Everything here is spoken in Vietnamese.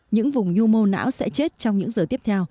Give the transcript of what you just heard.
những vùng nhu mô não sẽ chết trong những giờ tiếp theo